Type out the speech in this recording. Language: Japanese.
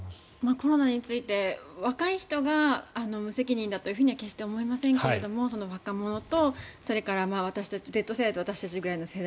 コロナについて若い人が無責任だとは決して思いませんが若者とＺ世代と私たちぐらいの世代